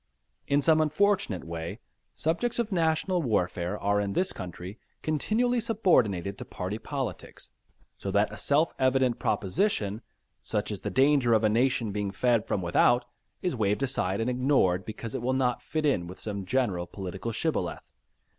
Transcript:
In some unfortunate way subjects of national welfare are in this country continually subordinated to party politics, so that a self evident proposition, such as the danger of a nation being fed from without, is waved aside and ignored, because it will not fit in with some general political shibboleth.